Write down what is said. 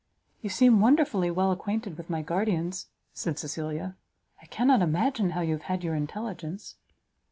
"You seem wonderfully well acquainted with my guardians," said Cecilia; "I cannot imagine how you have had your intelligence."